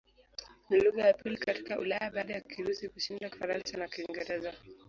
Ni lugha ya pili katika Ulaya baada ya Kirusi kushinda Kifaransa na Kiingereza.